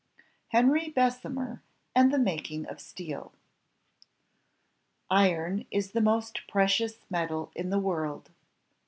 HENRY BESSEMER AND THE MAKING OF STEEL Iron is the most precious metal in the world.